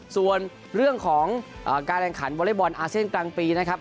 ส่วนเรื่องของการแข่งขันวอเล็กบอลอาเซียนกลางปีนะครับ